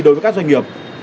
đối với các doanh nghiệp